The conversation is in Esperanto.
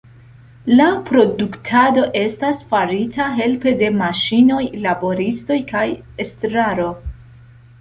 La produktado estas farita helpe de maŝinoj, laboristoj kaj estraro.